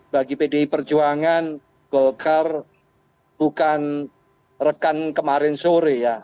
bagi pdi perjuangan golkar bukan rekan kemarin sore ya